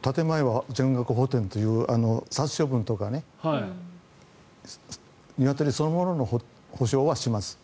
建前は全額補てんという殺処分とか、ニワトリそのものの補償はします。